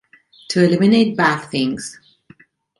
To eliminate bad things.